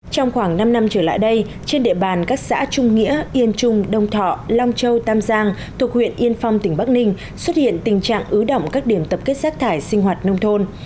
trong khoảng năm năm trở lại đây trên địa bàn các xã trung nghĩa yên trung đông thọ long châu tam giang thuộc huyện yên phong tỉnh bắc ninh xuất hiện tình trạng ứ động các điểm tập kết rác thải sinh hoạt nông thôn